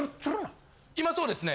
今そうですね。